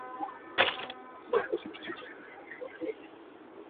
However, before long knowledge of the cave and its entrance was lost.